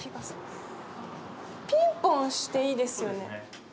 ピンポンしていいですよね。